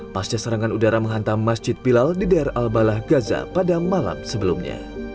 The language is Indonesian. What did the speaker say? pasca serangan udara menghantam masjid bilal di daerah al balah gaza pada malam sebelumnya